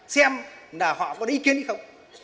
xem là họ có ý kiến hay không